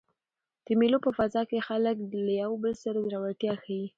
د مېلو په فضا کښي خلک له یو بل سره زړورتیا ښيي.